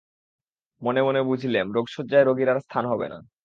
মনে মনে বুঝলেম, রোগশয্যায় রোগীর আর স্থান হবে না।